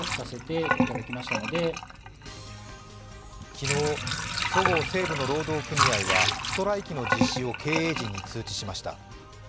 昨日、そごう・西武の労働組合はストライキの実施を経営陣に通知しました。